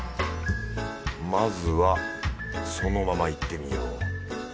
まずはそのままいってみよう。